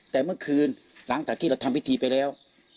แต่เมื่อคืนหลังจากที่เราทำพิธีไปแล้ว